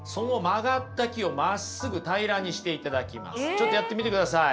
ちょっとやってみてください。